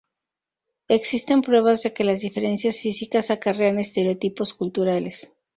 Existen pruebas de que las diferencias físicas acarrean estereotipos culturales.